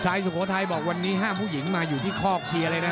สุโขทัยบอกวันนี้ห้ามผู้หญิงมาอยู่ที่คอกเชียร์เลยนะ